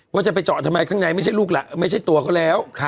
ว่าจะไปเจาะทำไมข้างในไม่ใช่ตัวเขาแล้ว